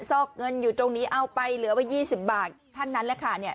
ซอกเงินอยู่ตรงนี้เอาไปเหลือว่ายี่สิบบาทท่านนั้นแหละค่ะเนี้ย